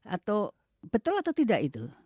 atau betul atau tidak itu